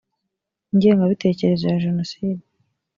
ingengabitekerezo ya jenoside